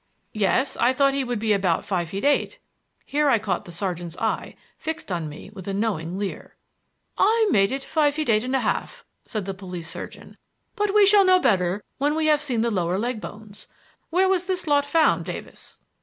"Yes, I thought he would be about five feet eight" (here I caught the sergeant's eyes, fixed on me with a knowing leer). "I made it five eight and a half," said the police surgeon; "but we shall know better when we have seen the lower leg bones. Where was this lot found, Davis?"